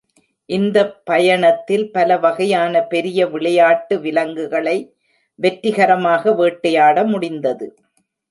இந்த பயணத்தில் பல வகையான பெரிய விளையாட்டு விலங்குகளை வெற்றிகரமாக வேட்டையாட முடிந்தது.